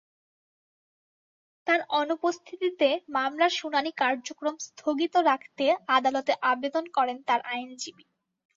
তাঁর অনুপস্থিতিতে মামলার শুনানি কার্যক্রম স্থগিত রাখতে আদালতে আবেদন করেন তাঁর আইনজীবী।